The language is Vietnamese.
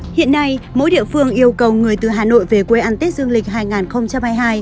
hiện nay mỗi địa phương yêu cầu người từ hà nội về quê ăn tết dương lịch hai nghìn hai mươi hai